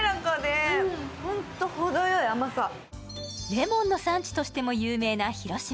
レモンの産地としても有名な広島。